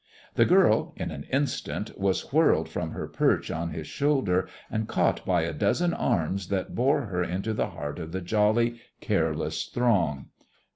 The girl, in an instant, was whirled from her perch on his shoulders and caught by a dozen arms that bore her into the heart of the jolly, careless throng.